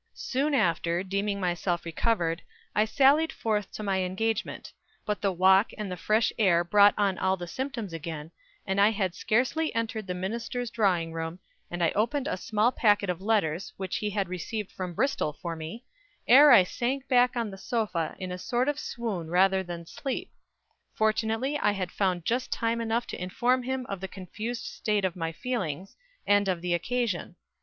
Soon after, deeming myself recovered, I sallied forth to my engagement; but the walk and the fresh air brought on all the symptoms again, and I had scarcely entered the minister's drawing room, and opened a small pacquet of letters, which he had received from Bristol for me, ere I sank back on the sofa in a sort of swoon rather than sleep. Fortunately I had found just time enough to inform him of the confused state of my feelings, and of the occasion.